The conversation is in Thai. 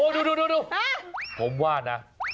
อ่อดูผมว่าน่ะ